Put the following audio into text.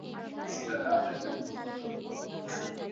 আসল শয়তান বাস করে তোমার মধ্যে, আমার সাধ্য কি কিছু করি তোমার জন্যে।